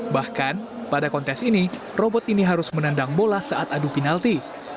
bahkan pada kontes ini robot ini harus menendang bola saat adu penalti